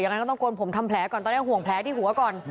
ยังไงก็ต้องโกนผมทำแผลก่อนต้องได้ห่วงแผลดีกว่า